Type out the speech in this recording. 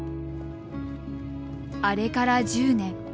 あれから１０年。